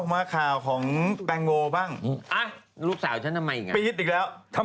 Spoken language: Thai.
ทำไมเองอ้าวแหละ